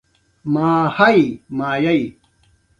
داسې کړه له غریبانو هر غریب پر اوږه سور کړي.